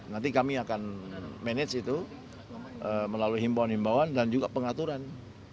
nanti kami akan manage itu melalui himbauan himbauan dan juga pengaturan